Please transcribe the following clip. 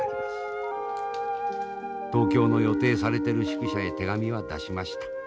東京の予定されている宿舎へ手紙は出しました。